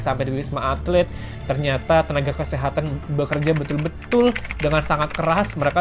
sampai di wisma atlet ternyata tenaga kesehatan bekerja betul betul dengan sangat keras mereka